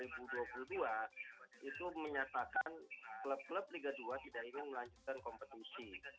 itu menyatakan klub klub liga dua tidak ingin melanjutkan kompetisi